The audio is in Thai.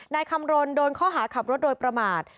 นายคำรณโดนข้อหาขับรถโดยประมาท